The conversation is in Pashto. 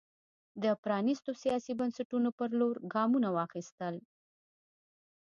د پرانېستو سیاسي بنسټونو پر لور ګامونه واخیستل.